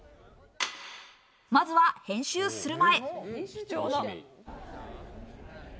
まずは編集する前。